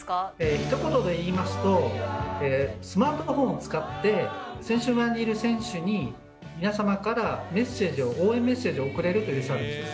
ひと言で言いますと、スマートフォンを使って、選手村にいる選手に皆様からメッセージを、応援メッセージを送れるというサービスです。